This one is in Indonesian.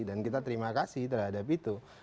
dan kita terima kasih terhadap itu